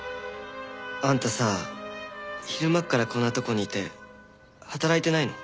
あんたさ昼間っからこんなとこにいて働いてないの？